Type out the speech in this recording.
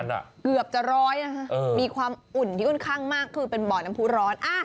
เกือบจะร้อยนะคะมีความอุ่นที่ค่อนข้างมากคือเป็นบ่อน้ำผู้ร้อน